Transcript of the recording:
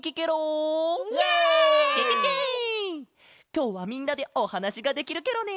きょうはみんなでおはなしができるケロね。